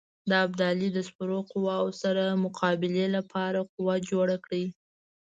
د ابدالي د سپرو قواوو سره مقابلې لپاره قوه جوړه کړي.